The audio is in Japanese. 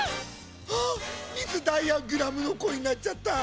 あっミス・ダイヤグラムのこえになっちゃった。